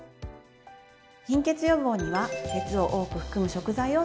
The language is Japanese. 貧血予防には鉄を多く含む食材を取り入れます。